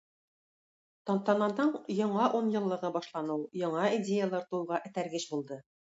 Тантананың яңа унъеллыгы башлану яңа идеяләр тууга этәргеч булды.